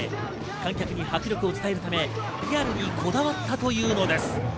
観客に迫力を伝えるため、リアルにこだわったというのです。